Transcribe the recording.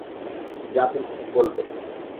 যা তুমি বলবে।